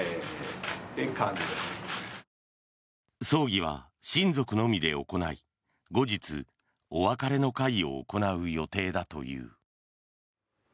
葬儀は親族のみで行い後日、お別れの会を行う予定だという。